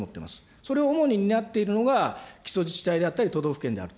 それを主に担っているのが基礎自治体であったり、都道府県であると。